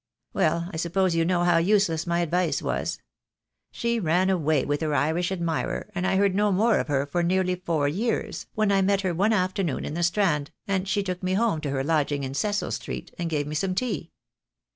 Well, I suppose you know how useless my advice was. She ran away with her Irish admirer, and I heard no more of her for nearly four years, when I met her one afternoon in the Strand, and she took me home to her lodging in Cecil Street, and gave me some tea.